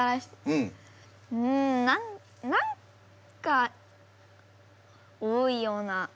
うんな何か多いような。